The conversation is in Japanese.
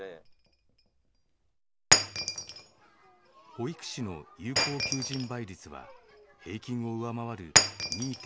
保育士の有効求人倍率は平均を上回る２．２１倍。